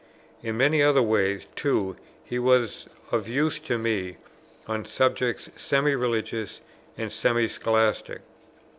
In many other ways too he was of use to me, on subjects semi religious and semi scholastic.